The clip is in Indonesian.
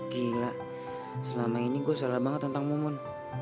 gila selama ini gue salah banget tentang mumun